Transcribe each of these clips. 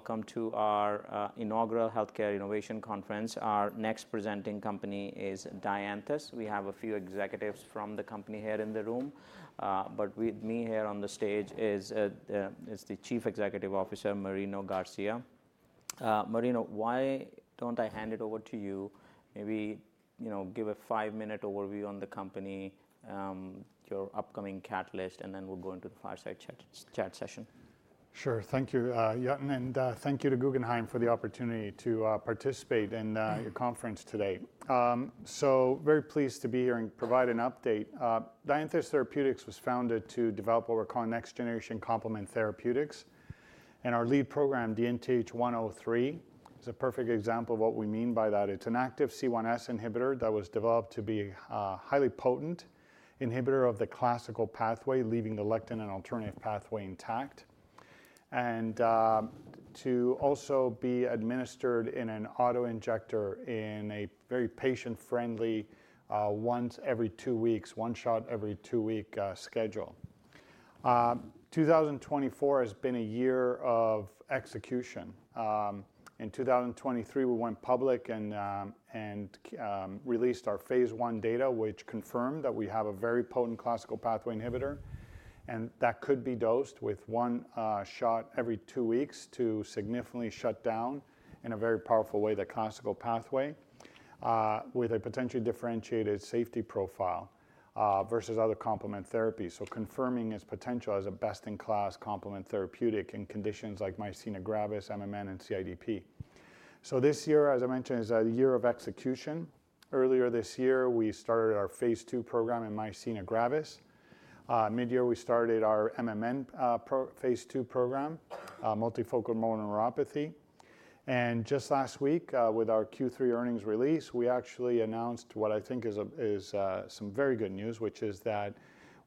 Welcome to our inaugural Healthcare Innovation Conference. Our next presenting company is Dianthus. We have a few executives from the company here in the room. But with me here on the stage is the Chief Executive Officer, Marino Garcia. Marino, why don't I hand it over to you? Maybe you know, give a five-minute overview on the company, your upcoming catalyst, and then we'll go into the fireside chat session. Sure, thank you, Yatin, and thank you to Guggenheim for the opportunity to participate in your conference today. So very pleased to be here and provide an update. Dianthus Therapeutics was founded to develop what we're calling next-generation complement therapeutics, and our lead program, DNTH103, is a perfect example of what we mean by that. It's an active C1s inhibitor that was developed to be a highly potent inhibitor of the classical pathway, leaving the lectin and alternative pathway intact, and to also be administered in an autoinjector in a very patient-friendly, once every two weeks, one shot every two-week, schedule. 2024 has been a year of execution. In 2023, we went public and released our phase I data, which confirmed that we have a very potent classical pathway inhibitor, and that could be dosed with one shot every two weeks to significantly shut down in a very powerful way the classical pathway, with a potentially differentiated safety profile versus other complement therapies. So confirming its potential as a best-in-class complement therapeutic in conditions like myasthenia gravis, MMN, and CIDP. So this year, as I mentioned, is a year of execution. Earlier this year, we started our phase II program in myasthenia gravis. Mid-year, we started our MMN phase II program, multifocal motor neuropathy. Just last week, with our Q3 earnings release, we actually announced what I think is some very good news, which is that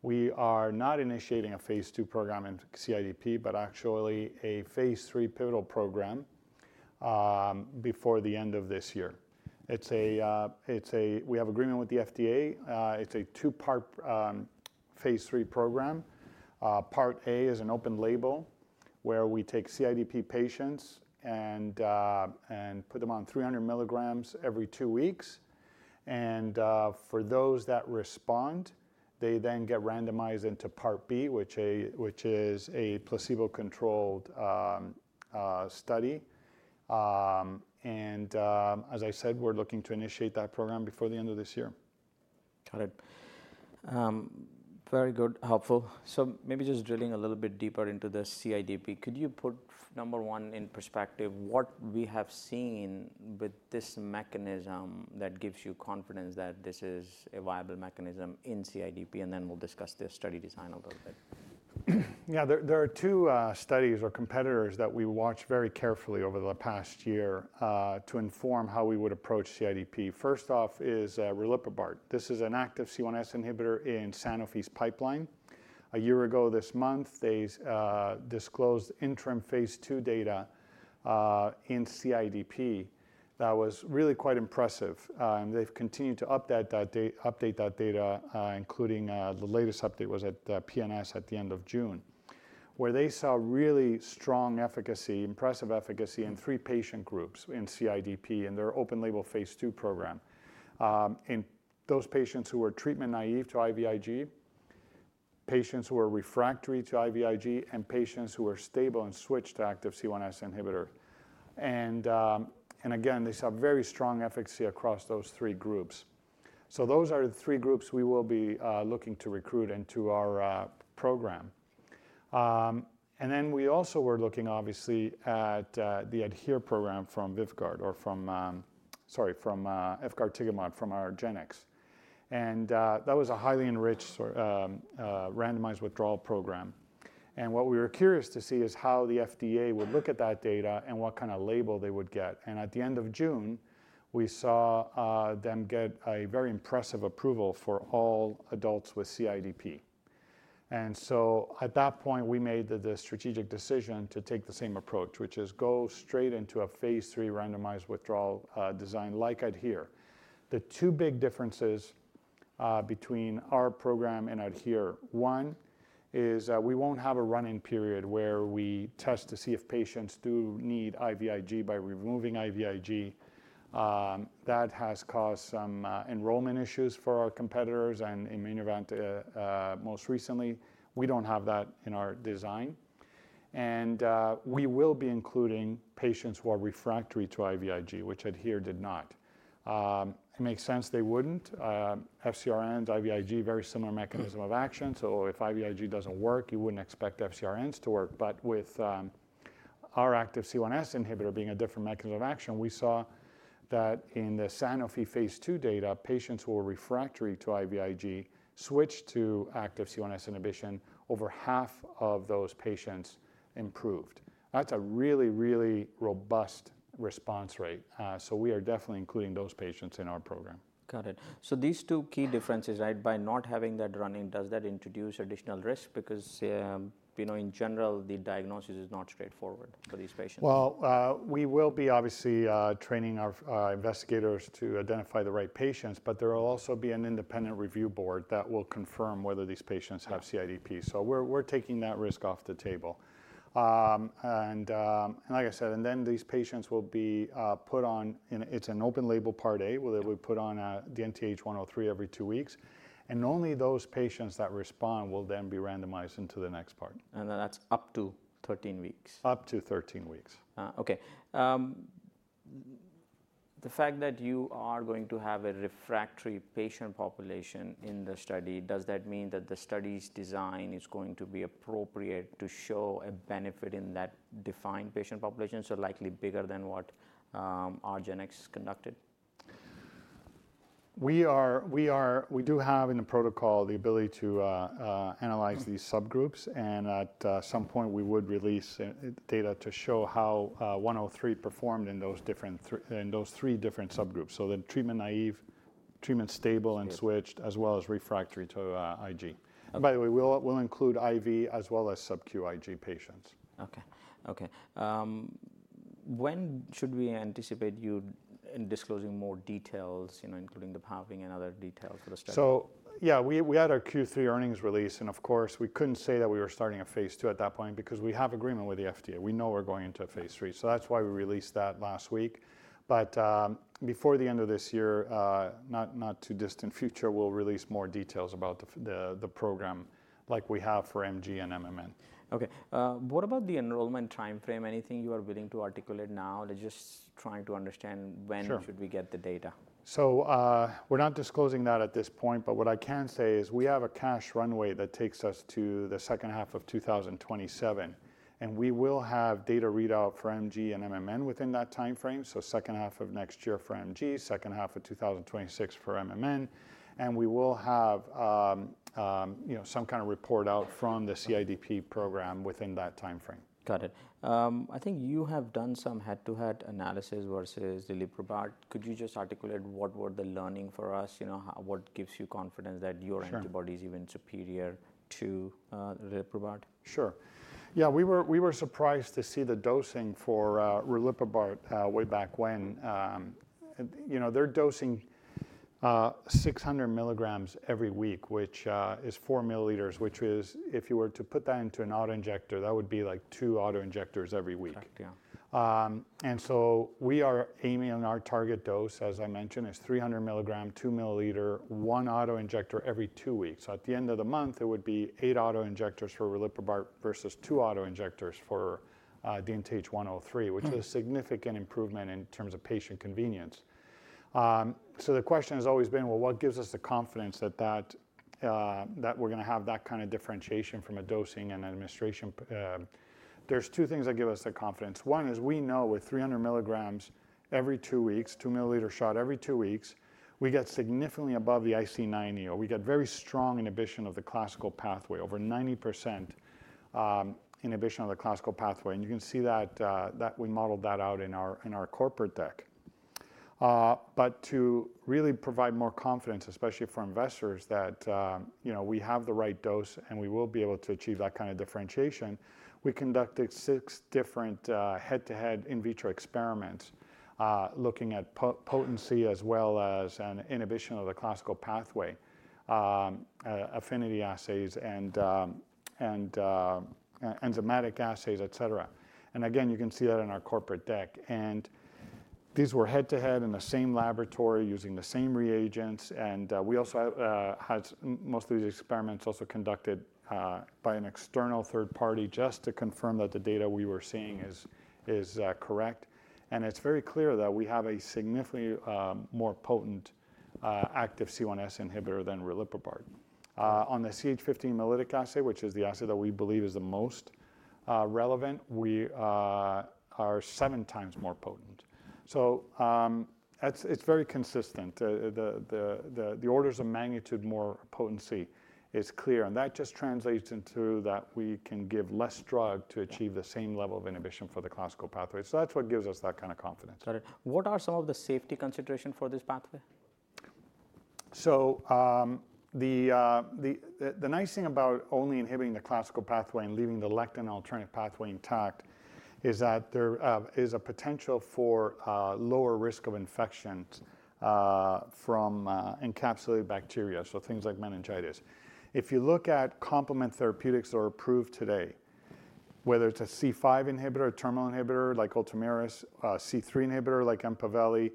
we are not initiating a phase II program in CIDP, but actually a phase III pivotal program before the end of this year. It's a. We have agreement with the FDA. It's a two-part phase III program. Part A is an open label where we take CIDP patients and put them on 300 mg every two weeks. For those that respond, they then get randomized into part B, which is a placebo-controlled study. As I said, we're looking to initiate that program before the end of this year. Got it. Very good, helpful. So maybe just drilling a little bit deeper into the CIDP, could you put number one in perspective what we have seen with this mechanism that gives you confidence that this is a viable mechanism in CIDP? And then we'll discuss the study design a little bit. Yeah, there are two studies or competitors that we watch very carefully over the past year to inform how we would approach CIDP. First off is Riliprubart. This is an active C1s inhibitor in Sanofi's pipeline. A year ago this month, they disclosed interim phase II data in CIDP that was really quite impressive, and they've continued to update that data, including the latest update was at PNS at the end of June, where they saw really strong efficacy, impressive efficacy in three patient groups in CIDP in their open-label phase II program, in those patients who were treatment-naive to IVIG, patients who were refractory to IVIG, and patients who were stable and switched to active C1s inhibitor. And again, they saw very strong efficacy across those three groups. So those are the three groups we will be looking to recruit into our program. And then we also were looking obviously at the ADHERE program from Vyvgart or from, sorry, from efgartigimod from argenx. And that was a highly enriched randomized withdrawal program. And what we were curious to see is how the FDA would look at that data and what kind of label they would get. And at the end of June, we saw them get a very impressive approval for all adults with CIDP. And so at that point, we made the strategic decision to take the same approach, which is go straight into a phase III randomized withdrawal design like ADHERE. The two big differences between our program and ADHERE, one is we won't have a run-in period where we test to see if patients do need IVIG by removing IVIG. That has caused some enrollment issues for our competitors. And in [MG], most recently, we don't have that in our design. And we will be including patients who are refractory to IVIG, which ADHERE did not. It makes sense they wouldn't. FcRns, IVIG, very similar mechanism of action. So if IVIG doesn't work, you wouldn't expect FcRns to work. But with our active C1s inhibitor being a different mechanism of action, we saw that in the Sanofi phase II data, patients who were refractory to IVIG switched to active C1s inhibition. Over half of those patients improved. That's a really, really robust response rate. So we are definitely including those patients in our program. Got it. So these two key differences, right, by not having that run-in, does that introduce additional risk? Because, you know, in general, the diagnosis is not straightforward for these patients. We will be obviously training our investigators to identify the right patients, but there will also be an independent review board that will confirm whether these patients have CIDP. So we're taking that risk off the table, and like I said, and then these patients will be put on, and it's an open-label part A where they'll be put on DNTH103 every two weeks. Only those patients that respond will then be randomized into the next part. That's up to 13 weeks. Up to 13 weeks. Okay. The fact that you are going to have a refractory patient population in the study, does that mean that the study's design is going to be appropriate to show a benefit in that defined patient population? So likely bigger than what argenx conducted? We do have in the protocol the ability to analyze these subgroups. At some point, we would release data to show how 103 performed in those three different subgroups. The treatment naive, treatment stable, and switched, as well as refractory to IG. By the way, we'll include IV as well as sub-Q IG patients. When should we anticipate you disclosing more details, you know, including the phasing and other details for the study? Yeah, we had our Q3 earnings release, and of course, we couldn't say that we were starting a phase II at that point because we have agreement with the FDA. We know we're going into a phase III. That's why we released that last week. But before the end of this year, not too distant future, we'll release more details about the program like we have for MG and MMN. Okay. What about the enrollment timeframe? Anything you are willing to articulate now? Just trying to understand when should we get the data? Sure. So, we're not disclosing that at this point, but what I can say is we have a cash runway that takes us to the second half of 2027. And we will have data readout for MG and MMN within that timeframe. So second half of next year for MG, second half of 2026 for MMN. And we will have, you know, some kind of report out from the CIDP program within that timeframe. Got it. I think you have done some head-to-head analysis versus the Riliprubart. Could you just articulate what were the learning for us? You know, what gives you confidence that your antibody is even superior to, Riliprubart? Sure. Yeah, we were surprised to see the dosing for Riliprubart way back when, you know. They're dosing 600 mg every week, which is four ml, which is, if you were to put that into an autoinjector, that would be like two autoinjectors every week. Correct, yeah. And so we are aiming on our target dose, as I mentioned, is 300 mg, two ml, one autoinjector every two weeks. So at the end of the month, it would be eight autoinjectors for Riliprubart versus two autoinjectors for DNTH103, which is a significant improvement in terms of patient convenience. So the question has always been, well, what gives us the confidence that that we're going to have that kind of differentiation from a dosing and administration? There's two things that give us the confidence. One is we know with 300 mg every two weeks, two ml shot every two weeks, we get significantly above the IC90. We get very strong inhibition of the classical pathway, over 90% inhibition of the classical pathway. And you can see that we modeled that out in our corporate deck. but to really provide more confidence, especially for investors, that, you know, we have the right dose and we will be able to achieve that kind of differentiation, we conducted six different, head-to-head in vitro experiments, looking at potency as well as an inhibition of the classical pathway, affinity assays and enzymatic assays, et cetera. And again, you can see that in our corporate deck. And these were head-to-head in the same laboratory using the same reagents. And we also had most of these experiments conducted by an external third party just to confirm that the data we were seeing is correct. And it's very clear that we have a significantly more potent active C1s inhibitor than Riliprubart. On the CH50 hemolytic assay, which is the assay that we believe is the most relevant, we are seven times more potent. So it's very consistent. The orders of magnitude more potency is clear, and that just translates into that we can give less drug to achieve the same level of inhibition for the classical pathway, so that's what gives us that kind of confidence. Got it. What are some of the safety considerations for this pathway? The nice thing about only inhibiting the classical pathway and leaving the lectin and alternative pathway intact is that there is a potential for lower risk of infections from encapsulated bacteria, so things like meningitis. If you look at complement therapeutics that are approved today, whether it's a C5 inhibitor, a terminal inhibitor like ULTOMIRIS, C3 inhibitor like EMPAVELI,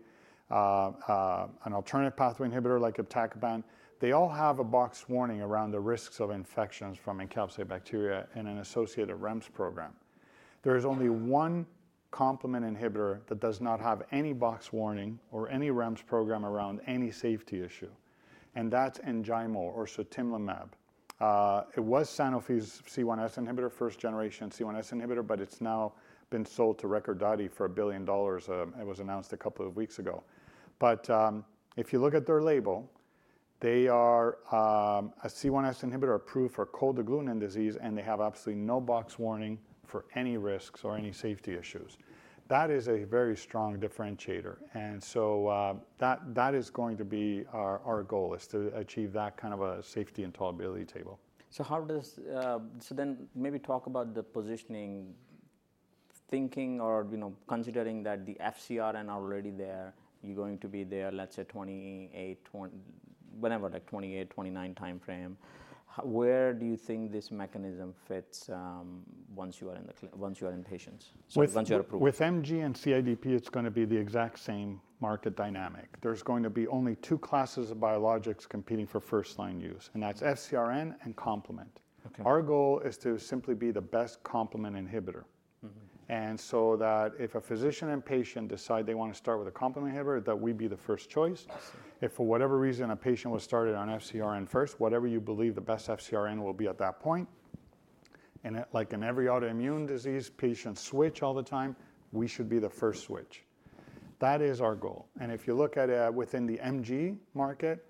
an alternative pathway inhibitor like iptacopan, they all have a box warning around the risks of infections from encapsulated bacteria and an associated REMS program. There is only one complement inhibitor that does not have any box warning or any REMS program around any safety issue. And that's ENJAYMO or sutimlimab. It was Sanofi's C1s inhibitor, first generation C1s inhibitor, but it's now been sold to Recordati for $1 billion. It was announced a couple of weeks ago. But, if you look at their label, they are a C1s inhibitor approved for cold agglutinin disease, and they have absolutely no boxed warning for any risks or any safety issues. That is a very strong differentiator. And so, that is going to be our goal is to achieve that kind of a safety and tolerability table. So how does, so then maybe talk about the positioning, thinking or, you know, considering that the FcRn are already there, you're going to be there, let's say 2028, 2020, whatever, like 2028, 2029 timeframe. Where do you think this mechanism fits, once you are in the, once you are in patients? Once you are approved. With MG and CIDP, it's going to be the exact same market dynamic. There's going to be only two classes of biologics competing for first line use, and that's FcRn and complement. Our goal is to simply be the best complement inhibitor, and so that if a physician and patient decide they want to start with a complement inhibitor, that we be the first choice. If for whatever reason a patient was started on FcRn first, whatever you believe the best FcRn will be at that point, and like in every autoimmune disease, patients switch all the time, we should be the first switch. That is our goal, and if you look at within the MG market,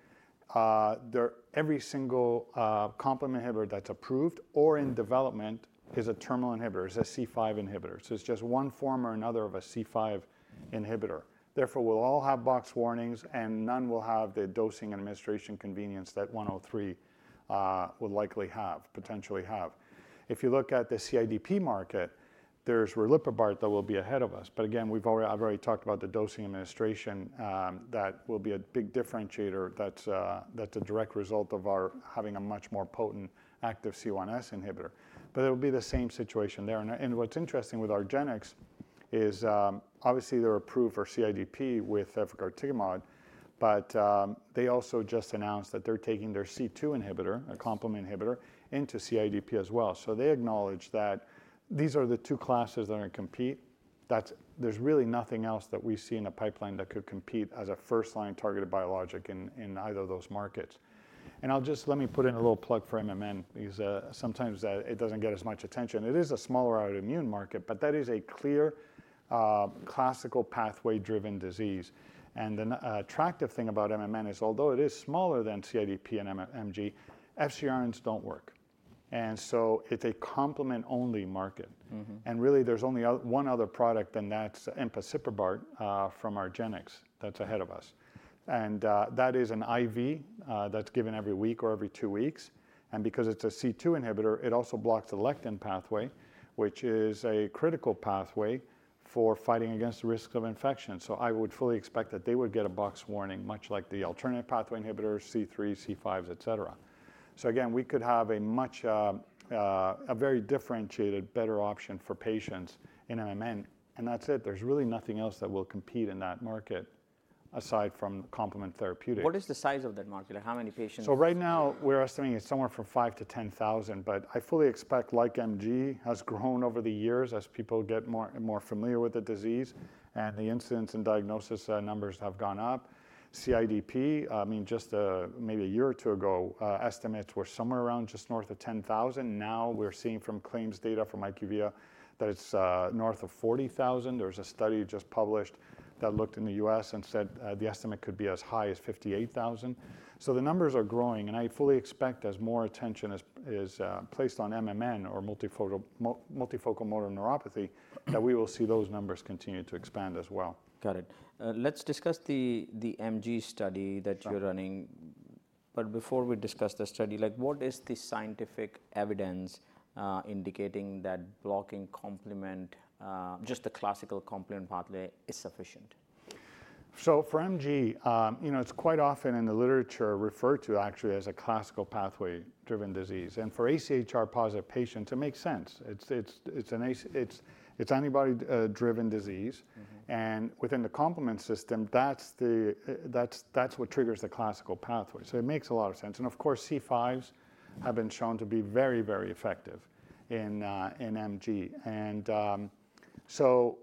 every single complement inhibitor that's approved or in development is a terminal inhibitor, is a C5 inhibitor, so it's just one form or another of a C5 inhibitor. Therefore, we'll all have boxed warnings and none will have the dosing administration convenience that 103 would likely have, potentially have. If you look at the CIDP market, there's Riliprubart that will be ahead of us. But again, we've already, I've already talked about the dosing administration that will be a big differentiator that's a direct result of our having a much more potent active C1s inhibitor. But it'll be the same situation there. And what's interesting with our argenx is, obviously they're approved for CIDP with efgartigimod, but they also just announced that they're taking their C2 inhibitor, a complement inhibitor, into CIDP as well. So they acknowledge that these are the two classes that are going to compete. That's, there's really nothing else that we see in the pipeline that could compete as a first line targeted biologic in either of those markets. And I'll just let me put in a little plug for MMN because sometimes it doesn't get as much attention. It is a smaller autoimmune market, but that is a clear classical pathway driven disease. And the attractive thing about MMN is although it is smaller than CIDP and MG, FcRNs don't work. And so it's a complement only market. And really there's only one other product and that's Empasiprubart from argenx that's ahead of us. And that is an IV that's given every week or every two weeks. And because it's a C2 inhibitor, it also blocks the lectin pathway, which is a critical pathway for fighting against the risks of infection. So I would fully expect that they would get a boxed warning, much like the alternative pathway inhibitors, C3, C5, et cetera. So again, we could have a much, a very differentiated, better option for patients in MMN. And that's it. There's really nothing else that will compete in that market aside from complement therapeutics. What is the size of that market? How many patients? So right now we're estimating it's somewhere from five to 10,000, but I fully expect like MG has grown over the years as people get more familiar with the disease and the incidence and diagnosis numbers have gone up. CIDP, I mean, just maybe a year or two ago, estimates were somewhere around just north of 10,000. Now we're seeing from claims data from IQVIA that it's north of 40,000. There's a study just published that looked in the U.S. and said the estimate could be as high as 58,000. So the numbers are growing. And I fully expect as more attention is placed on MMN or multifocal motor neuropathy, that we will see those numbers continue to expand as well. Got it. Let's discuss the MG study that you're running. But before we discuss the study, like what is the scientific evidence, indicating that blocking complement, just the classical complement pathway is sufficient? So for MG, you know, it's quite often in the literature referred to actually as a classical pathway driven disease. And for AChR positive patients, it makes sense. It's an AChR antibody driven disease. And within the complement system, that's what triggers the classical pathway. So it makes a lot of sense. And of course, C5s have been shown to be very effective in MG. So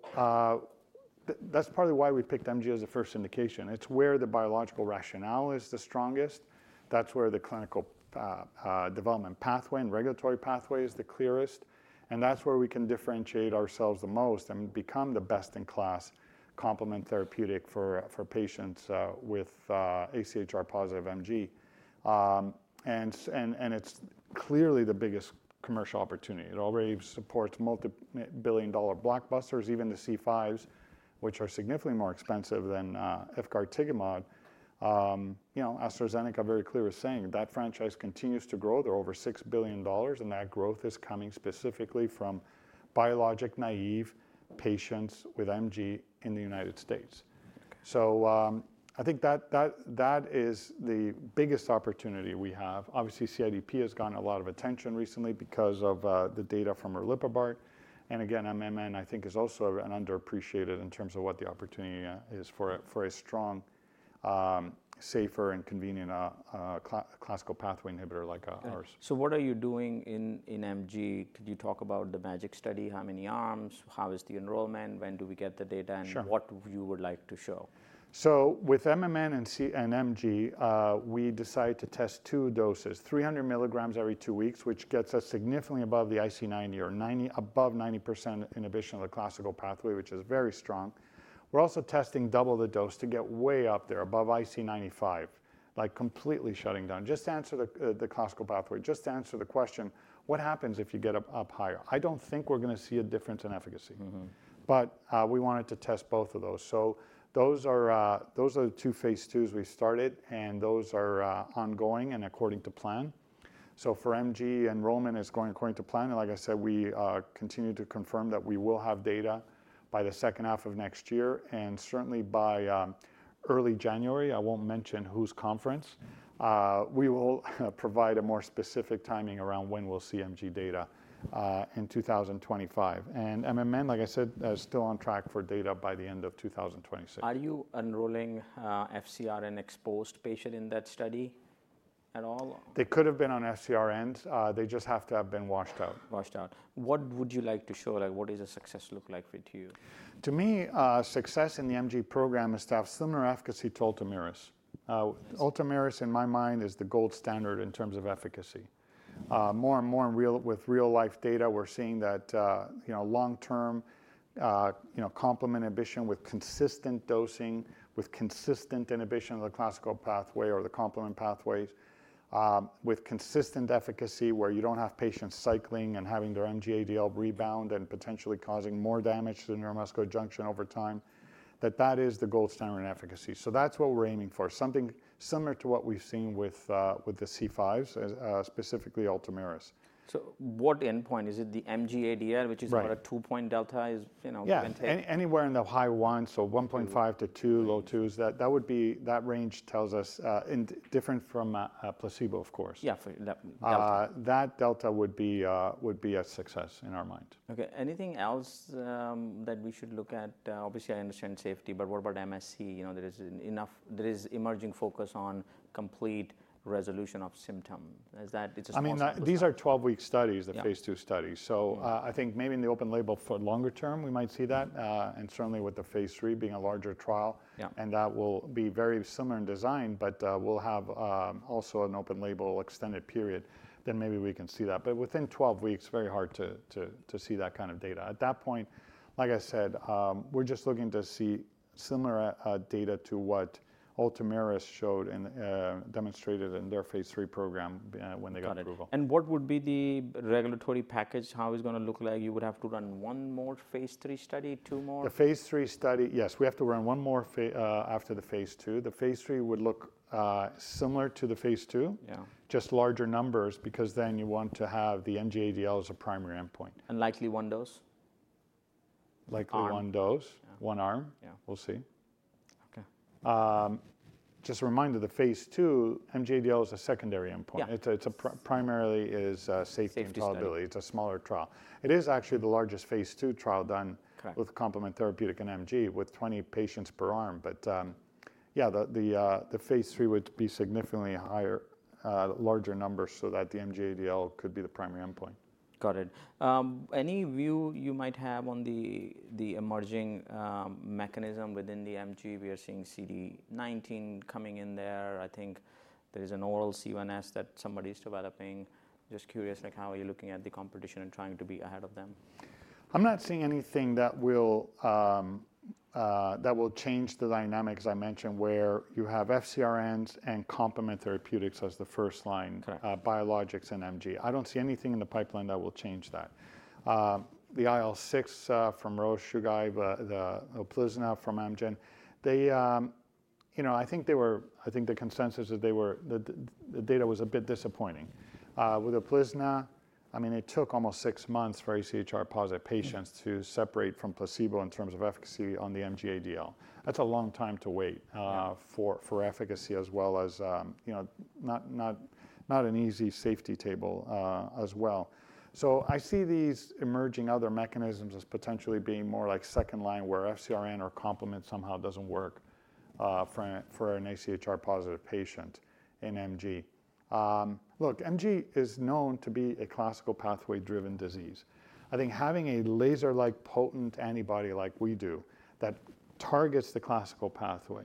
that's partly why we picked MG as a first indication. It's where the biological rationale is the strongest. That's where the clinical development pathway and regulatory pathway is the clearest. And that's where we can differentiate ourselves the most and become the best in class complement therapeutic for patients with AChR positive MG. And it's clearly the biggest commercial opportunity. It already supports multi-billion dollar blockbusters, even the C5s, which are significantly more expensive than efgartigimod. You know, AstraZeneca very clearly is saying that franchise continues to grow. They're over $6 billion, and that growth is coming specifically from biologic naive patients with MG in the United States. So, I think that is the biggest opportunity we have. Obviously, CIDP has gotten a lot of attention recently because of the data from Riliprubart, and again, MMN I think is also an underappreciated in terms of what the opportunity is for a strong, safer and convenient classical pathway inhibitor like ours. What are you doing in MG? Could you talk about the [MG] study? How many arms? How is the enrollment? When do we get the data, and what would you like to show? With MMN and CIDP and MG, we decide to test two doses, 300 mg every two weeks, which gets us significantly above the IC90, or 90%, above 90% inhibition of the classical pathway, which is very strong. We're also testing double the dose to get way up there above IC95, like completely shutting down the classical pathway. Just to answer the question, what happens if you get up higher? I don't think we're going to see a difference in efficacy. We wanted to test both of those. Those are the two phase IIs we started, and those are ongoing and according to plan. For MG, enrollment is going according to plan. Like I said, we continue to confirm that we will have data by the second half of next year and certainly by early January. I won't mention whose conference. We will provide a more specific timing around when we'll see MG data in 2025, and MMN, like I said, is still on track for data by the end of 2026. Are you enrolling FcRn-exposed patient in that study at all? They could have been on FcRNs. They just have to have been washed out. Washed out. What would you like to show? Like, what does the success look like with you? To me, success in the MG program is to have similar efficacy to ULTOMIRIS. ULTOMIRIS in my mind is the gold standard in terms of efficacy. More and more in real-world with real-life data, we're seeing that, you know, long term, you know, complement inhibition with consistent dosing, with consistent inhibition of the classical pathway or the complement pathways, with consistent efficacy where you don't have patients cycling and having their MG ADL rebound and potentially causing more damage to the neuromuscular junction over time, that is the gold standard in efficacy. So that's what we're aiming for. Something similar to what we've seen with the C5s, specifically ULTOMIRIS. What endpoint is it? The MG-ADL, which is about a two-point delta is, you know, can take. Yeah, anywhere in the high ones, so 1.5 to 2, low 2s that would be, that range tells us, and different from a placebo, of course. Yeah, for that delta. that delta would be a success in our mind. Okay. Anything else that we should look at? Obviously, I understand safety, but what about MSC? You know, there is enough. There is emerging focus on complete resolution of symptoms. Is that? It's a small study? I mean, these are 12-week studies, the phase II studies. So, I think maybe in the open-label for longer term, we might see that, and certainly with the phase III being a larger trial, and that will be very similar in design, but we'll have also an open-label extended period, then maybe we can see that, but within 12 weeks, very hard to see that kind of data. At that point, like I said, we're just looking to see similar data to what ULTOMIRIS showed and demonstrated in their phase III program when they got approval. Got it. And what would be the regulatory package? How is it going to look like? You would have to run one more phase III study, two more? The phase III study, yes, we have to run one more phase after the phase II. The phase III would look similar to the phase II, just larger numbers because then you want to have the MG-ADL as a primary endpoint. Likely one dose? Likely one dose, one arm. We'll see. Okay. Just a reminder, the phase II MG-ADL is a secondary endpoint. It's primarily safety and tolerability. It's a smaller trial. It is actually the largest phase II trial done with complement therapeutic and MG with 20 patients per arm. But, yeah, the phase III would be significantly higher, larger numbers so that the MG-ADL could be the primary endpoint. Got it. Any view you might have on the emerging mechanism within the MG? We are seeing CD19 coming in there. I think there is an oral C1s that somebody is developing. Just curious, like how are you looking at the competition and trying to be ahead of them? I'm not seeing anything that will change the dynamics I mentioned where you have FcRns and complement therapeutics as the first line, biologics and MG. I don't see anything in the pipeline that will change that. The IL-6 from Chugai, the UPLIZNA from Amgen, they, you know, I think the consensus is they were, the data was a bit disappointing. With UPLIZNA, I mean, it took almost six months for AChR positive patients to separate from placebo in terms of efficacy on the MG-ADL. That's a long time to wait for efficacy as well as, you know, not an easy safety table, as well. So I see these emerging other mechanisms as potentially being more like second line where FcRn or complement somehow doesn't work for an AChR positive patient in MG. Look, MG is known to be a classical pathway driven disease. I think having a laser-like potent antibody like we do that targets the classical pathway,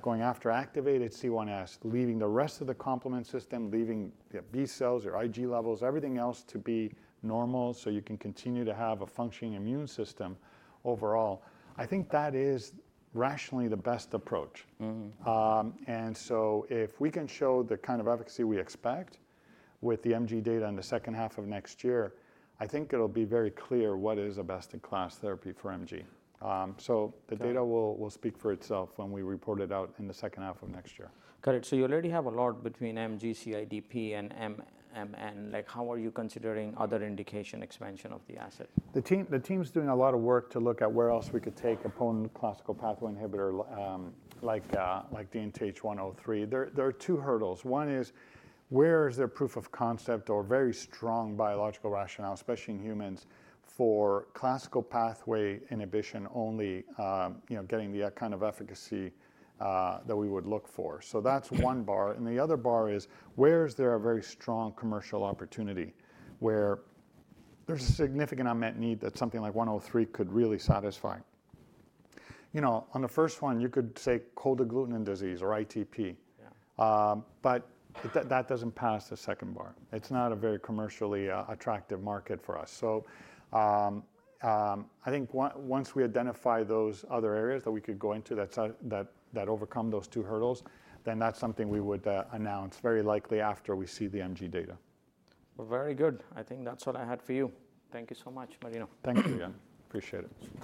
going after activated C1s, leaving the rest of the complement system, leaving the B cells or Ig levels, everything else to be normal so you can continue to have a functioning immune system overall. I think that is rationally the best approach, and so if we can show the kind of efficacy we expect with the MG data in the second half of next year, I think it'll be very clear what is a best in class therapy for MG. So the data will speak for itself when we report it out in the second half of next year. Got it. So you already have a lot between MG, CIDP and MMN. Like how are you considering other indication expansion of the asset? The team's doing a lot of work to look at where else we could take a potent classical pathway inhibitor, like DNTH103. There are two hurdles. One is where is there proof of concept or very strong biological rationale, especially in humans for classical pathway inhibition only, you know, getting the kind of efficacy that we would look for. So that's one bar. And the other bar is where is there a very strong commercial opportunity where there's a significant unmet need that something like 103 could really satisfy. You know, on the first one, you could say cold agglutinin disease or ITP, but that doesn't pass the second bar. It's not a very commercially attractive market for us. So, I think once we identify those other areas that we could go into that overcome those two hurdles, then that's something we would announce very likely after we see the MG data. Very good. I think that's what I had for you. Thank you so much, Marino. Thank you. Appreciate it.